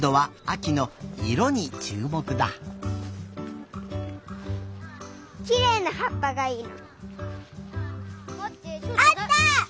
あった！